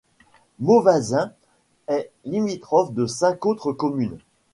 Mauvaisin est limitrophe de cinq autres communes.